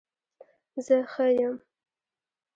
زه ښه يم